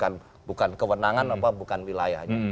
karena pihak lain juga bukan kewenangan apa bukan wilayahnya